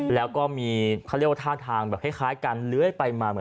แล้วก็มีเขาเรียกว่าท่าทางแบบคล้ายกันเลื้อยไปมา